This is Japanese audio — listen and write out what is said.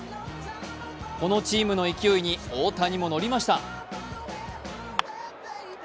このチームの勢いに大谷も乗りました。